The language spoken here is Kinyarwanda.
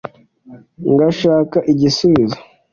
Ngashaka igisubizo